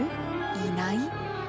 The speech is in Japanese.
いない？